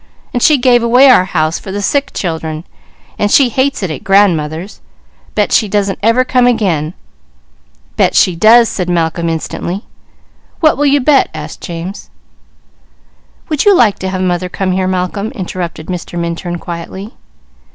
And she gave away our house for the sick children, and she hates it at grandmother's! Bet she doesn't ever come again!" "Bet she does!" said Malcolm instantly. "Would you like to have mother come here, Malcolm?" interrupted Mr. Minturn quietly.